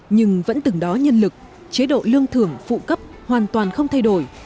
nhưng vẫn từng đó nhân lực chế độ lương thưởng phụ cấp hoàn toàn không thay đổi